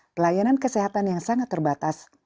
pelayanan kesehatan yang sangat terbatas